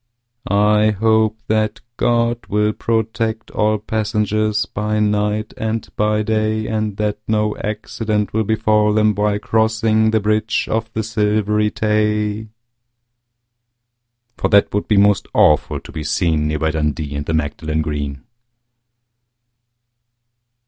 I hope that God will protect all passengers By night and by day, And that no accident will befall them while crossing The Bridge of the Silvery Tay, For that would be most awful to be seen Near by Dundee and the Magdalen Green.